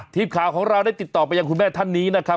ทีมข่าวของเราได้ติดต่อไปยังคุณแม่ท่านนี้นะครับ